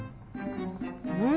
うん。